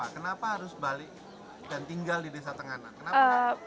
kenapa harus balik dan tinggal di desa tenganan kenapa